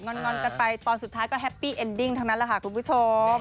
อนกันไปตอนสุดท้ายก็แฮปปี้เอ็นดิ้งทั้งนั้นแหละค่ะคุณผู้ชม